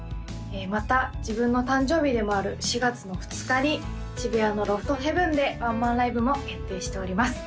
また自分の誕生日でもある４月の２日に渋谷のＬＯＦＴＨＥＡＶＥＮでワンマンライブも決定しております